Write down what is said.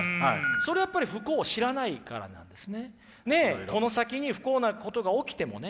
それやっぱり不幸を知らないからなんですね。